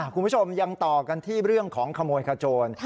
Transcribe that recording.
คุณผู้ชมยังต่อกันที่เรื่องของขโมยขโจร